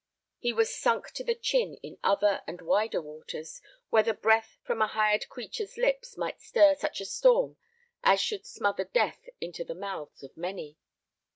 He was sunk to the chin in other and wider waters, where the breath from a hired creature's lips might stir such a storm as should smother death into the mouths of many.